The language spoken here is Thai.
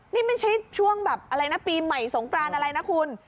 นี่มันใช่ช่วงปีใหม่สงกราณอะไรนะคุณ